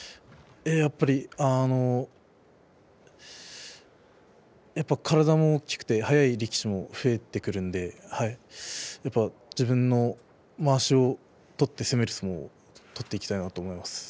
やっぱり体も大きくて速い力士も増えてくるので自分のまわしを取って攻める相撲を取っていきたいなと思います。